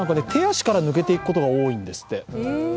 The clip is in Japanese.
手足から抜けていくことが多いんですって。